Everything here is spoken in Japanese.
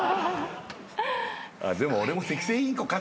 でも俺も。